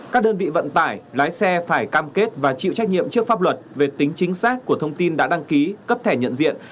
các đơn vị vận tải lái xe phải cam kết và chịu trách nhiệm trước pháp luật về tính chính xác của thông tin đã đăng ký cấp thẻ nhận diện